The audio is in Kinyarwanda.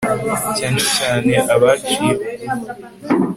cyane cyane abaciye bugufi